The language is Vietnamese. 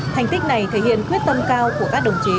thành tích này thể hiện quyết tâm cao của các đồng chí